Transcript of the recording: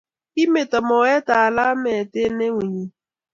Kimeto moet alamet eng eunnyi